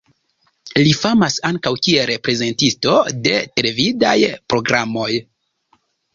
Li famas ankaŭ kiel prezentisto de televidaj programoj.